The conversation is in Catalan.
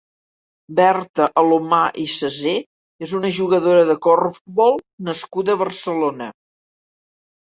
Berta Alomà i Sesé és una jugadora de corfbol nascuda a Barcelona.